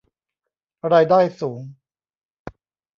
รายได้สูง